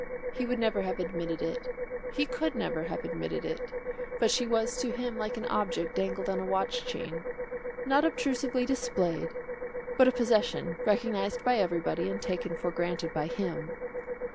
He would never have admitted it he could never have admitted it, but she was to him like an object dangled on a watch chain not obtrusively displayed but a possession recognised by everybody and taken for granted by him.